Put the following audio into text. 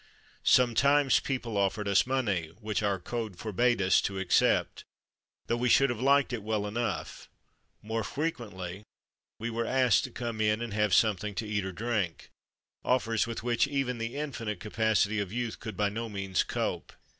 Sometimes people offered us money, which our code forbade us to accept, though we should have liked it well enough ; more frequently we were asked to come in and have something to eat or drink, offers with which even the infinite capacity of youth could by no means cope.